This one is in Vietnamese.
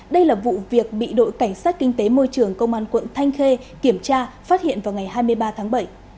đây là vụ việc bị đội cảnh sát kinh tế môi trường công an quận thanh khê kiểm tra phát hiện vào ngày hai mươi ba tháng bảy